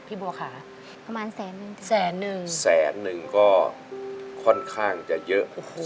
พี่บัวค้าประมาณแสนนึงแสนนึงแสนนึงก็ค่อนข้างจะเยอะโอ้โฮ